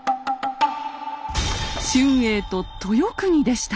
春英と豊国でした。